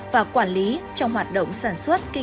và quản lý trong hoạt động sản xuất kinh doanh